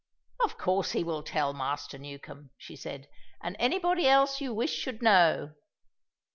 "Of course he will tell Master Newcombe," said she, "and anybody else you wish should know."